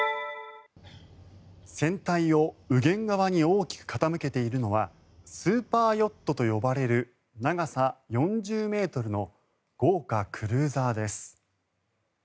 船体を右舷側に大きく傾けているのはスーパーヨットと呼ばれる長さ４０ｍの豪華クルーザーです。